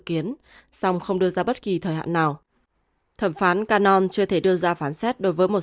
kiến song không đưa ra bất kỳ thời hạn nào thẩm phán canon chưa thể đưa ra phán xét đối với một